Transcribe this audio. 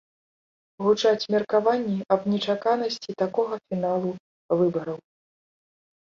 Гучаць меркаванні аб нечаканасці такога фіналу выбараў.